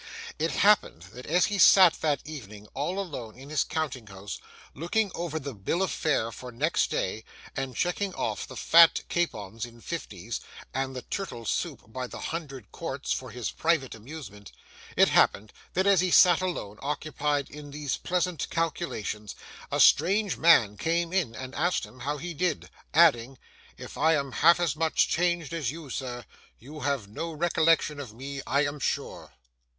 It happened that as he sat that evening all alone in his counting house, looking over the bill of fare for next day, and checking off the fat capons in fifties, and the turtle soup by the hundred quarts, for his private amusement,—it happened that as he sat alone occupied in these pleasant calculations, a strange man came in and asked him how he did, adding, 'If I am half as much changed as you, sir, you have no recollection of me, I am sure.